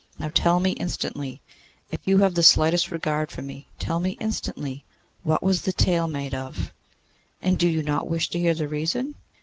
'Now tell me instantly; if you have the slightest regard for me, tell me instantly. What was the tail made of?' 'And you do not wish to hear the reason?